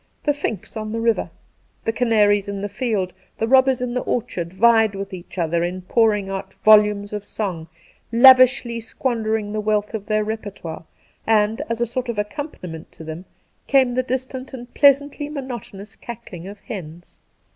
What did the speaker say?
The finks on the river, the canaries in the field, the robbers in the orchard, vied with each other in pouring out volumes of song, . lavishly , squandering the Wealth of their repertoire, and, as a sort of accompaniment to them, came the distant and pleasantly monotonous cackling of hens.